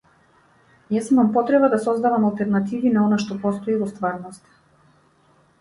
Јас имам потреба да создавам алтернативи на она што постои во стварноста.